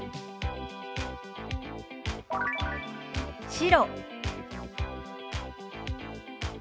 「白」。